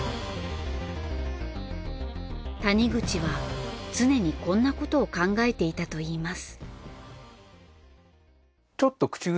谷口は常にこんなことを考えていたといいます。